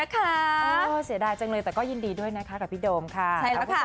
ก็ยินดีด้วยนะคะกับพี่โดมค่ะ